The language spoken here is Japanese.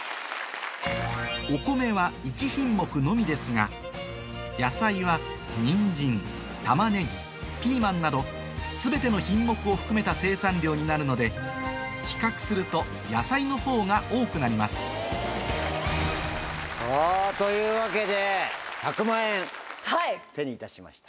お米は１品目のみですが野菜はニンジン玉ねぎピーマンなど全ての品目を含めた生産量になるので比較すると野菜のほうが多くなりますさぁというわけで１００万円手にいたしました。